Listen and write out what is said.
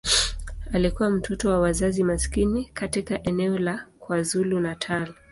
Alikuwa mtoto wa wazazi maskini katika eneo la KwaZulu-Natal.